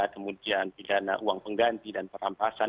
kemudian pidana uang pengganti dan perampasan